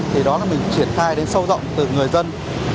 thì đó là mình triển khai đến sâu rộng từ người dân